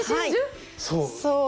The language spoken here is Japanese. そう。